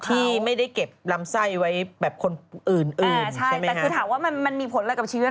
ที่ไม่ได้เก็บลำไส้ไว้แบบคนอื่นอื่นอ่าใช่แต่คือถามว่ามันมันมีผลอะไรกับชีวิต